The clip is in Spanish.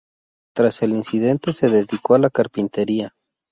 Tras el incidente se dedicó a la carpintería.